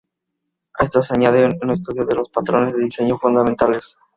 A esto se añade un estudio de los patrones de diseño fundamentales.